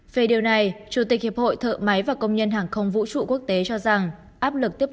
về điều này chủ tịch hiệp hội thợ máy và công nhân hàng không vũ trụ quốc tế cho rằng áp lực tiếp